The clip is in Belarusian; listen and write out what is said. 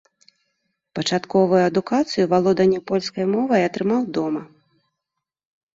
Пачатковую адукацыю і валоданне польскай мовай атрымаў дома.